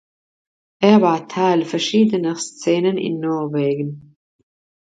Er war Teil verschiedener Szenen in Norwegen.